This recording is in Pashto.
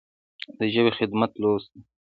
د ژبې خدمت لوست دی.